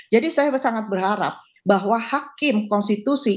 jadi saya sangat berharap bahwa hakim konstitusi